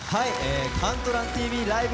「ＣＤＴＶライブ！